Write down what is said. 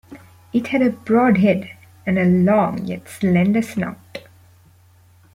It had a broad head, and a long yet slender snout.